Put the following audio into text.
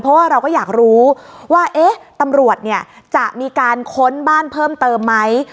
เพราะว่าเราก็อยากรู้ว่าเอ๊ะตำรวจเนี่ยจะมีการค้นบ้านเพิ่มเติมไหม